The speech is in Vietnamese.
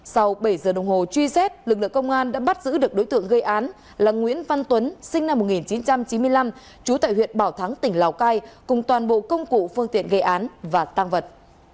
sau bảy giờ đồng hồ truy xét lực lượng công an đã bắt giữ được đối tượng gây án là nguyễn văn tuấn sinh năm một nghìn chín trăm chín mươi năm trú tại huyện bảo thắng tỉnh lào cai cùng toàn bộ công cụ phương tiện gây án và tăng vật